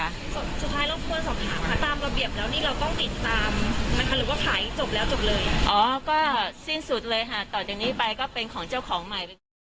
ตามระเบียบแล้วนี่เราก็ติดตามมันหรือว่าขายจบแล้วจบเลยอ๋อก็สิ้นสุดเลยฮะต่อจากนี้ไปก็เป็นของเจ้าของใหม่